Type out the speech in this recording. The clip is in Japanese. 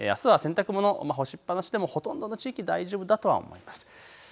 あすは洗濯物干しっぱなしでもほとんどの地域大丈夫だと思います。